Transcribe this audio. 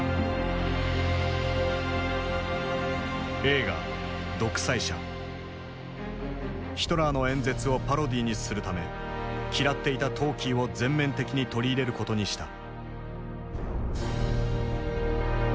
映画ヒトラーの演説をパロディーにするため嫌っていたトーキーを全面的に取り入れることにした。